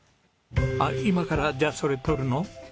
あっ今からじゃあそれ撮るの？